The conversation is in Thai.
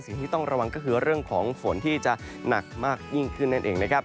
สิ่งที่ต้องระวังก็คือเรื่องของฝนที่จะหนักมากยิ่งขึ้นนั่นเองนะครับ